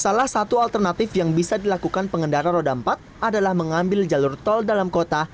salah satu alternatif yang bisa dilakukan pengendara roda empat adalah mengambil jalur tol dalam kota